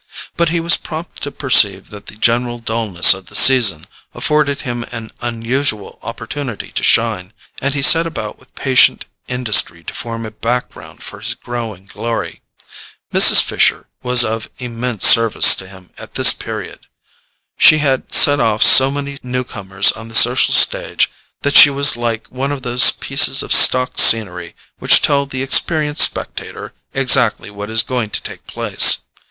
But he was prompt to perceive that the general dulness of the season afforded him an unusual opportunity to shine, and he set about with patient industry to form a background for his growing glory. Mrs. Fisher was of immense service to him at this period. She had set off so many newcomers on the social stage that she was like one of those pieces of stock scenery which tell the experienced spectator exactly what is going to take place.